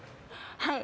はい。